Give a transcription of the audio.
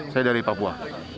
saya dari papua